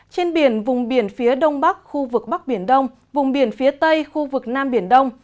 trên biển vùng biển phía đông bắc khu vực bắc biển đông vùng biển phía tây khu vực nam biển đông